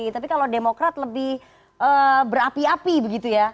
tapi kalau demokrat lebih berapi api begitu ya